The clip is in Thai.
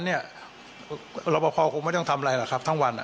เราประพอปลูกคงไม่ต้องทำอะไรทั้งวัน